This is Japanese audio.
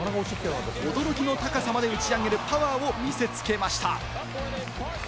驚きの高さまで打ち上げるパワーを見せつけました。